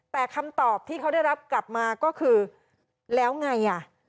แต่คำตอบที่เขาได้รับกลับมาก็คือแล้วไงอ่ะ